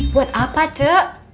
buat apa ce